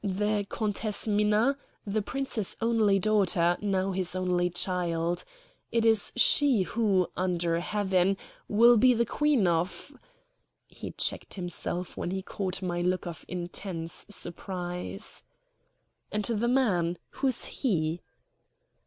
"The Countess Minna, the Prince's only daughter, now his only child. It is she who, under heaven, will be the Queen of " He checked himself when he caught my look of intense surprise. "And the man. Who is he?"